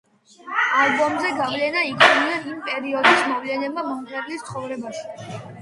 ალბომზე გავლენა იქონია იმ პერიოდის მოვლენებმა მომღერლის ცხოვრებაში.